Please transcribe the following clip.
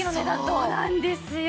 そうなんですよ。